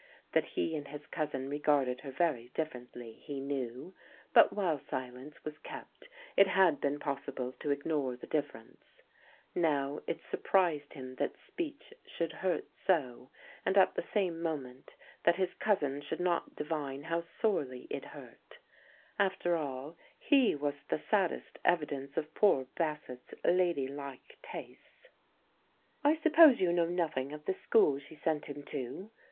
That he and his cousin regarded her very differently he knew; but while silence was kept it had been possible to ignore the difference. Now it surprised him that speech should hurt so; and, at the same moment, that his cousin should not divine how sorely it hurt. After all he was the saddest evidence of poor Bassett's "lady like" tastes. "I suppose you know nothing of the school she sent him to?"